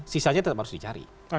sisanya tetap harus dicari